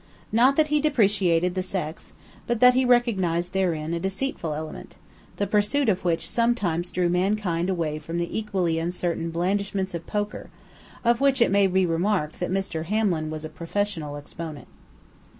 Not that he depreciated the sex, but that he recognized therein a deceitful element, the pursuit of which sometimes drew mankind away from the equally uncertain blandishments of poker of which it may be remarked that Mr. Hamlin was a professional exponent.